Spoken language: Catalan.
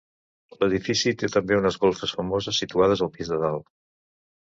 L'edifici té també unes golfes famoses situades al pis de dalt.